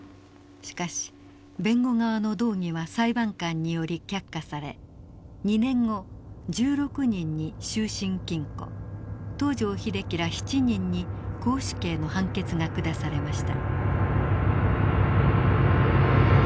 しかし弁護側の動議は裁判官により却下され２年後１６人に終身禁錮東条英機ら７人に絞首刑の判決が下されました。